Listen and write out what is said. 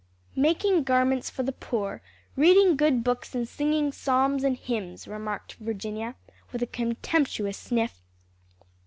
"Making garments for the poor, reading good books and singing psalms and hymns," remarked Virginia with a contemptuous sniff.